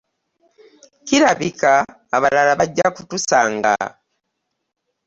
Kirabika abalala bajja kutusanga.